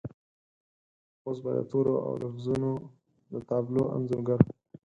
اوس به د تورو او لفظونو د تابلو انځورګر